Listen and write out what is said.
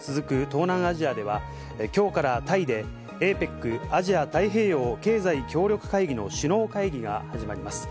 東南アジアでは、今日からタイでＡＰＥＣ＝アジア太平洋経済協力会議の首脳会議が始まります。